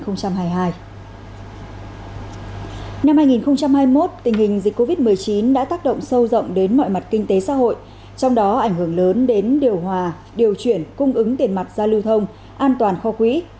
năm hai nghìn hai mươi một tình hình dịch covid một mươi chín đã tác động sâu rộng đến mọi mặt kinh tế xã hội trong đó ảnh hưởng lớn đến điều hòa điều chuyển cung ứng tiền mặt ra lưu thông an toàn kho quỹ